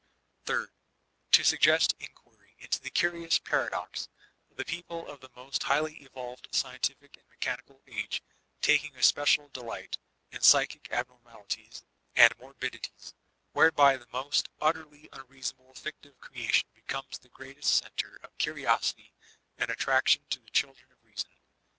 Third : To suggest inquiry into the curious paradox of the people of the most highly evolved scientific and me^ chanical age taking especial delight in psychic abnormali ties and morbidities, — whereby the most utterly unrea sonable fictive creation becomes the greatest center of curiosity and attraction to the children of Reason.